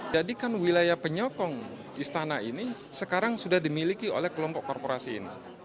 jadi kan wilayah penyokong istana ini sekarang sudah dimiliki oleh kelompok korporasi ini